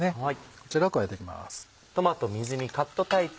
こちらを加えていきます。